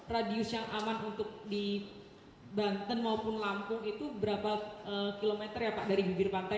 radius yang aman untuk di banten maupun lampung itu berapa kilometer ya pak dari bibir pantai